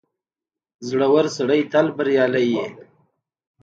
• زړور سړی تل بریالی وي.